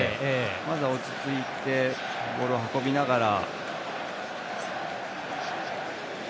まずは落ち着いてボールを運びながら。